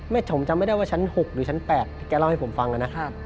ชมจำไม่ได้ว่าชั้น๖หรือชั้น๘แกเล่าให้ผมฟังนะ